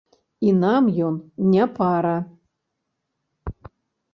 І нам ён не пара.